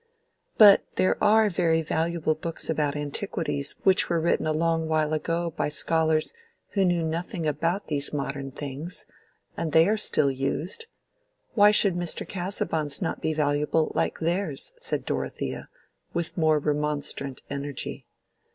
"But there are very valuable books about antiquities which were written a long while ago by scholars who knew nothing about these modern things; and they are still used. Why should Mr. Casaubon's not be valuable, like theirs?" said Dorothea, with more remonstrant energy.